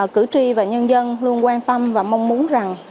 cử tri và nhân dân luôn quan tâm và mong muốn rằng